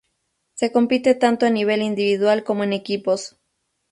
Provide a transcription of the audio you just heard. Se compite tanto a nivel individual como en equipos.